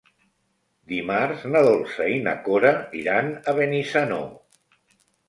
Dimarts na Dolça i na Cora iran a Benissanó.